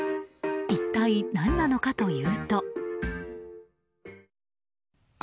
一体何なのかというと。